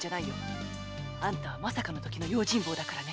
あんたはまさかのときの用心棒だからね。